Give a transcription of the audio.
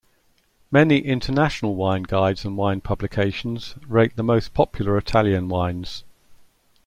Many international wine guides and wine publications rate the most popular Italian wines.